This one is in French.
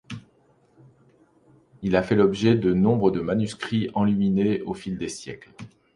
Il a fait l'objet de nombre de manuscrits enluminés au fil des siècles.